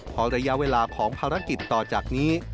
เพราะระยะเวลาของภารกิจต่อจากนี้